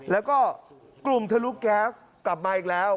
แล้วก็กลุ่มทะลุแก๊สกลับมาอีกแล้ว